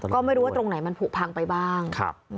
ก็ไม่รู้ว่าตรงไหนมันผูกพังไปบ้าง